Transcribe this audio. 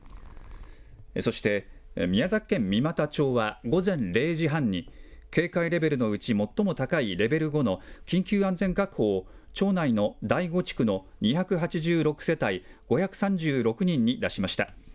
そして、宮崎県三股町は午前０時半に、警戒レベルのうち最も高いレベル５の緊急安全確保を、町内のだいご地区の２８６世帯５３６人に出しました。